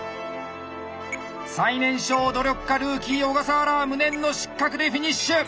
最年少努力家ルーキー小笠原は無念の失格でフィニッシュ。